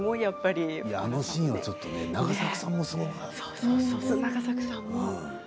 あのシーンはね、永作さんもねすごくて。